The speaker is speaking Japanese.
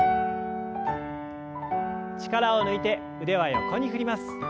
力を抜いて腕は横に振ります。